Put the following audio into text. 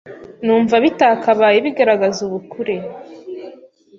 numva bitakabaye bigaragaza ubukure